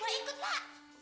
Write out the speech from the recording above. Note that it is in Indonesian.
gue ikut lah